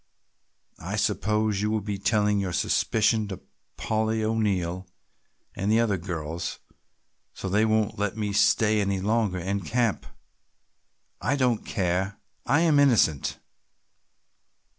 I suppose you will be telling your suspicion to Polly O'Neill and the other girls so they won't let me stay any longer in camp. I don't care, I am innocent!"